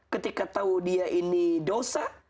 ketika tahu dia ini dosa